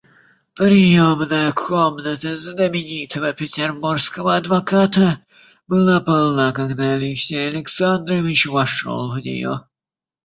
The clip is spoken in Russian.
Приемная комната знаменитого петербургского адвоката была полна, когда Алексей Александрович вошел в нее.